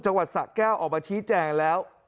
จังหวัดสะแก้วออกมาชี้แจงแล้ว